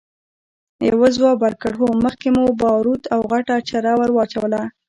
يوه ځواب ورکړ! هو، مخکې مو باروت او غټه چره ور واچوله!